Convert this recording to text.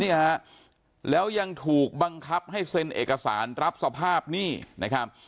เนี่ยฮะแล้วยังถูกบังคับให้เซ็นเอกสารรับสภาพหนี้นะครับ